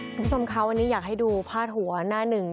คุณผู้ชมคะวันนี้อยากให้ดูพาดหัวหน้าหนึ่ง